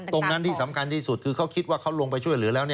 ตรงนั้นที่สำคัญที่สุดคือเขาคิดว่าเขาลงไปช่วยเหลือแล้ว